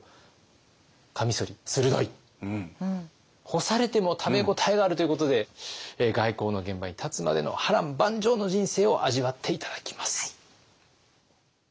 干されても食べ応えがあるということで外交の現場に立つまでの波乱万丈の人生を味わって頂きます。